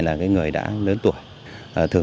là chiếm đoạt tài sản của họ